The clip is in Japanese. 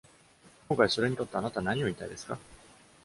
今回、それにとってあなたは何を言いたいですか？